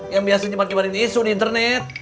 yang biasa nyebar nyebarin isu di internet